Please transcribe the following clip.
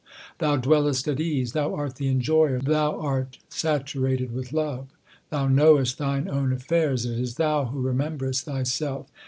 2 Thou dwellest at ease ; Thou art the Enjoyer ; Thou art saturated with love. Thou knowest Thine own affairs ; it is Thou who remem berest Thyself.